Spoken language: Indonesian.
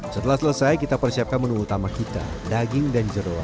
setelah selesai kita persiapkan menu utama kita daging dan jeruk